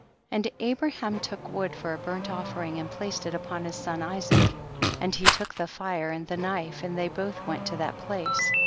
49. And Abraham took wood for a burnt offering and placed it upon his son Isaac, and he took the fire and the knife, and they both went to that place.